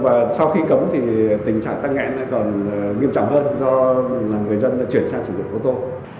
và sau khi cấm thì tình trạng tăng nghẽn lại còn nghiêm trọng hơn do người dân chuyển sang sử dụng ô tô